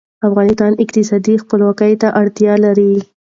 افغانستان اقتصادي خپلواکۍ ته اړتیا لري